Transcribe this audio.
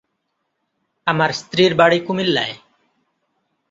আমার স্ত্রীর বাড়ি কুমিল্লায়।